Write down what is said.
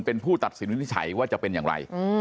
เป็นผู้ตัดสินวินิจฉัยว่าจะเป็นอย่างไร